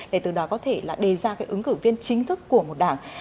để từ đó có thể là đề ra cái ứng cử viên chính thức của một đảng